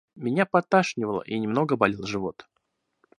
Меня подташнивало, и немного болел живот.